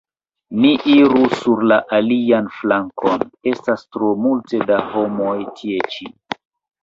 Ni iru sur la alian flankon; estas tro multe da homoj tie ĉi.